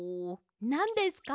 なんですか？